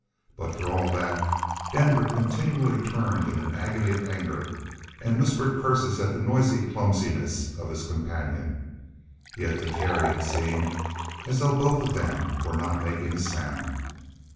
But for all that, Denver continually turned in an agony of anger and whispered curses at the noisy clumsiness of his companion yet to Terry it seemed as though both of them were not making a sound.